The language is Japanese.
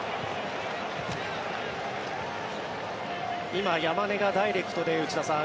今、山根がダイレクトで内田さん